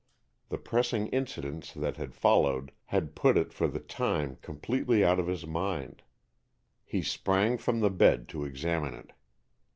The pressing incidents that had followed had put it for the time completely out of his mind. He sprang from the bed to examine it.